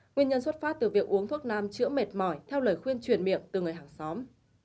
nguyên nhân xuất phát từ việc uống thuốc nam chữa mệt mỏi theo lời khuyên chuyển miệng từ người hàng xóm